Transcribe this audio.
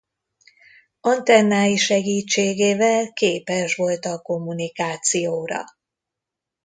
Antennái segítségével képes volt a kommunikációra.